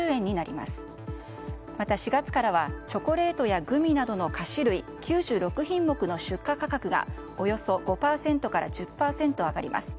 また４月からはチョコレートやグミなどの菓子類９６品目の出荷価格がおよそ５％から１０％上がります。